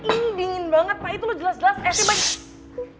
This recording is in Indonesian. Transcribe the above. ini dingin banget pak itu udah jelas jelas esnya pak